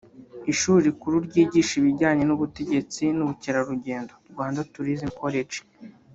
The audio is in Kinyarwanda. Ishuri rikuru ryigisha ibijyanye n’ubutetsi n’ubukerarugendo (Rwanda Tourism College)